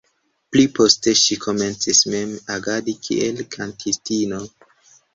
Pli poste ŝi komencis mem agadi kiel kantistino.